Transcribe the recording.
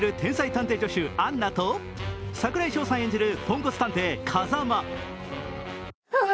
探偵助手・アンナと櫻井翔さん演じるポンコツ探偵風真。